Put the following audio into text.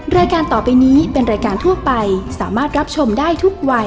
รายการต่อไปนี้เป็นรายการทั่วไปสามารถรับชมได้ทุกวัย